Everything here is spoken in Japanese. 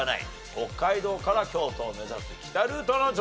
北海道から京都を目指す北ルートの挑戦です。